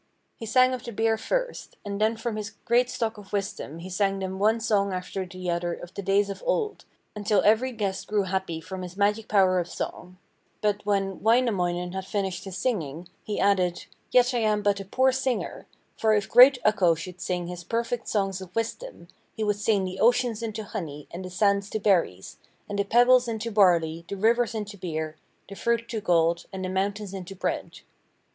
He sang of the beer first, and then from his great stock of wisdom he sang them one song after the other of the days of old, until every guest grew happy from his magic power of song. But when Wainamoinen had finished his singing, he added: 'Yet I am but a poor singer. For if great Ukko should sing his perfect songs of wisdom, he would sing the oceans into honey and the sands to berries, and the pebbles into barley, the rivers into beer, the fruit to gold, and the mountains into bread.